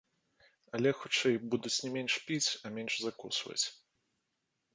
Але, хутчэй, будуць не менш піць, а менш закусваць.